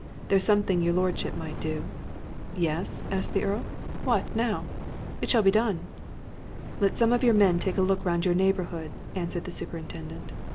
There's something your lordship might do." "Yes?" asked the Earl. "What, now! It shall be done." "Let some of your men take a look round your neighbourhood," answered the superintendent.